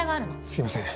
すいません。